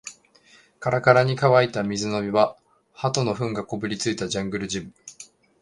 カラカラに乾いた水飲み場、鳩の糞がこびりついたジャングルジム